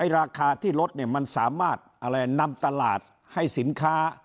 ราคาที่ลดมันสามารถนำตลาดให้สินค้า